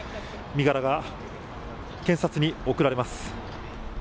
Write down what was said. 身柄が警察に送られます。